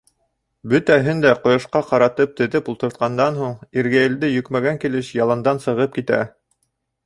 Бөтәһен дә ҡояшҡа ҡаратып теҙеп ултыртҡандан һуң, иргәйелде йөкмәгән килеш яландан сығып китә.